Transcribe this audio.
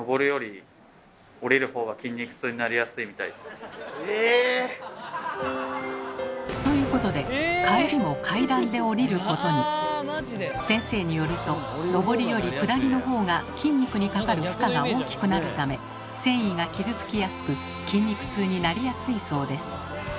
すいませんみたいです。ということで帰りも先生によると上りより下りのほうが筋肉にかかる負荷が大きくなるため線維が傷つきやすく筋肉痛になりやすいそうです。